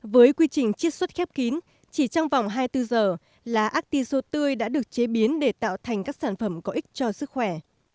với quy trình chiết xuất khép kín chỉ trong vòng hai mươi bốn giờ là atiso tươi đã được chế biến để tạo thành các sản phẩm có ích cho sức khỏe